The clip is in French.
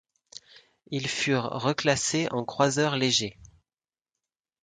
Ils furent reclassés en croiseur léger.